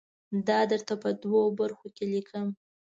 دا درته په دوو برخو کې لیکم.